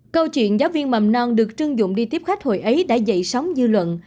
câu chuyện giáo viên mầm non được trưng dụng đi tiếp khách hội ấy đã dậy sóng dư luận